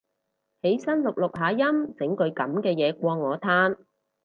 起身錄錄下音整句噉嘅嘢過我嘆